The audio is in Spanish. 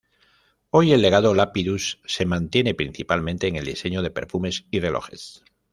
Hoy, el legado Lapidus se mantiene principalmente en el diseño de perfumes y relojes.